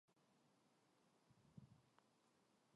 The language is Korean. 음녀의 입은 깊은 함정이라 여호와의 노를 당한 자는 거기 빠지리라